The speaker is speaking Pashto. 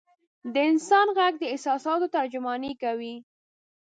د انسان ږغ د احساساتو ترجماني کوي.